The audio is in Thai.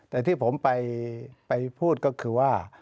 แต่ที่ผมไปพูดก็คือว่า